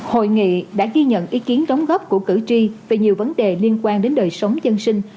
hội nghị đã ghi nhận ý kiến đóng góp của cử tri về nhiều vấn đề liên quan đến đời sống dân sinh